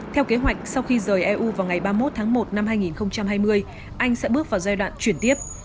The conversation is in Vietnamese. theo kế hoạch sau khi rời eu vào ngày ba mươi một tháng một năm hai nghìn hai mươi anh sẽ bước vào giai đoạn chuyển tiếp